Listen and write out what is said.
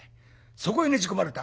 そこへねじ込まれた。